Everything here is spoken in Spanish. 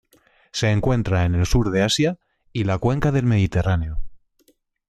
Se encuentra en el sur de Asia y la Cuenca del Mediterráneo.